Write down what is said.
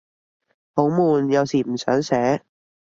好悶，有時唔想寫